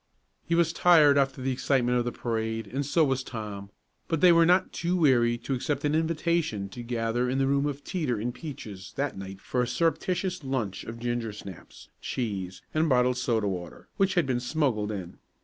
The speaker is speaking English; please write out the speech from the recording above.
He was tired after the excitement of the parade, and so was Tom, but they were not too weary to accept an invitation to gather in the room of Teeter and Peaches that night for a surreptitious lunch of ginger snaps, cheese and bottled soda water, which had been smuggled in.